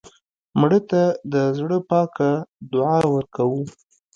مړه ته د زړه پاکه دعا ورکوو